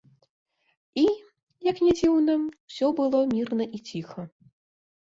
І, як не дзіўна, усё было мірна і ціха.